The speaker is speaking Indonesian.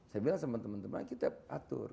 saya bilang sama teman teman kita atur